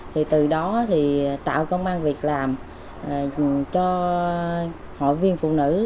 thì từ đó thì tạo công an việc làm cho hội viên phụ nữ